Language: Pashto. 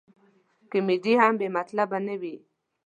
کمیډي هم بې مطلبه نه وي.